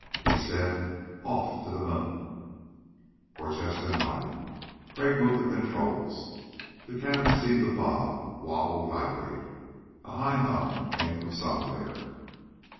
He said, "Off to the moon." Prochaska nodded. Crag moved the controls. The cabin seemed to bob, wobble, vibrate. A high hum came from somewhere.